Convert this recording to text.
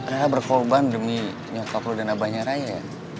raya berkorban demi nyokap lo dan abangnya raya ya